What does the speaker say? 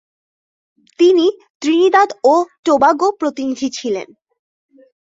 তিনি ত্রিনিদাদ ও টোবাগো প্রতিনিধি ছিলেন।